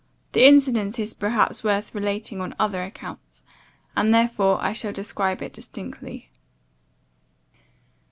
[The incident is perhaps worth relating on other accounts, and therefore I shall describe it distinctly.